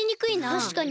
たしかに。